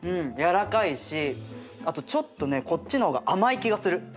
やわらかいしあとちょっとねこっちの方が甘い気がする。